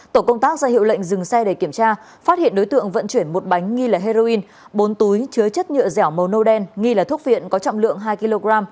tổ công tác ra hiệu lệnh dừng xe để kiểm tra phát hiện đối tượng vận chuyển một bánh nghi là heroin bốn túi chứa chất nhựa dẻo màu nâu đen nghi là thuốc viện có trọng lượng hai kg